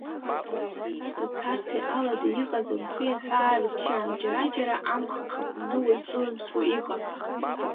Сара сахьҭаз аҭәарҭеи алада иҟаз амхи аҳәаа рыбжьан, џьара-џьара амӷ ахаԥаны уаҩ дзылымсуа иҟан.